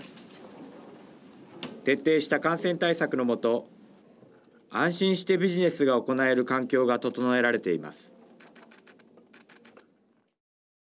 徹底した感染対策のもと安心してビジネスが行える環境が整えられています。